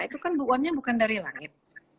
itu kan bu uangnya bukan dari langit